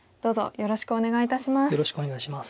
よろしくお願いします。